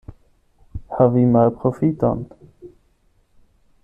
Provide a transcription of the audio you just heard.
Havi malprofiton.